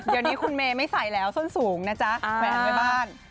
เดี๋ยวนี้คุณเมย์ไม่ใส่แล้วส้นสูงนะจ๊ะแขวนไว้บ้าน